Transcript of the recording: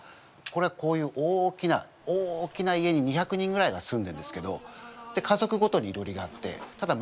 これはこういう大きな大きな家に２００人ぐらいが住んでるんですけど家族ごとにいろりがあってただ間仕切りがないんですよ。